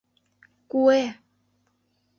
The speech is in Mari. Куэ!